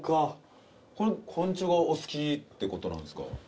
これ昆虫がお好きってことなんですか？